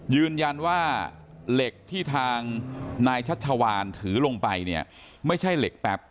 ยืนยันว่าเหล็กที่ทางนายชัชวานถือลงไปเนี่ยไม่ใช่เหล็กแป๊บ